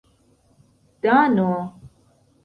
dano